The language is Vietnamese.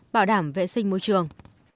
bảo đảm vệ sinh môi trường